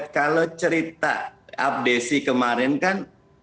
kalau cerita abdesi kemarin kan